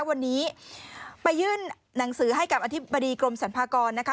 วันนี้ไปยื่นหนังสือให้กับอธิบดีกรมสรรพากรนะคะ